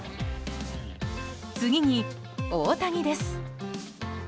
次に、大谷です。